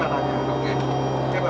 bapak ini seolah olah kita akan terbang